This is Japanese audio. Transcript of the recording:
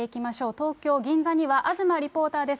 東京・銀座には東リポーターです。